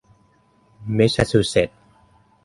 แมสซาชูเซ็ทส์